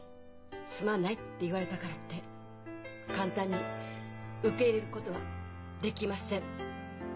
「すまない」って言われたからって簡単に受け入れることはできません。